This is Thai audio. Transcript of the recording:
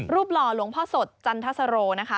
หล่อหลวงพ่อสดจันทสโรนะคะ